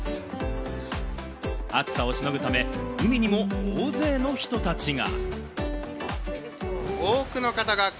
暑さをしのぐため、海にも大勢の人たちが。